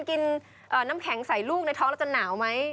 กินน้ำแข็งใส่ลูกในท้องแล้วจะหนาวไหม